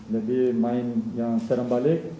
lebih main yang secara balik